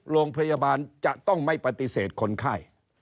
โรงพยาบาลจะต้องไม่ปฏิเสธคนไข้